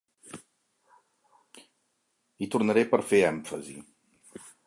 Hi tornaré per fer èmfasi.